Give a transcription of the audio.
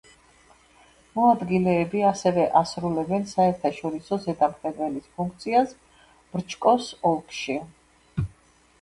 მოადგილეები ასევე ასრულებენ საერთაშორისო ზედამხედველის ფუნქციას ბრჩკოს ოლქში.